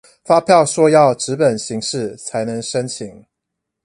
發票說要紙本形式才能申請